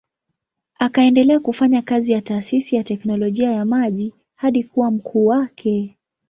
Akaendelea kufanya kazi ya taasisi ya teknolojia ya maji hadi kuwa mkuu wake.